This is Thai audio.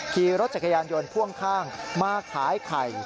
ขี่รถจักรยานยนต์พ่วงข้างมาขายไข่